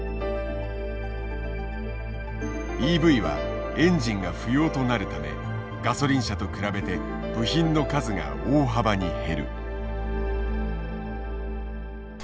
ＥＶはエンジンが不要となるためガソリン車と比べて部品の数が大幅に減る。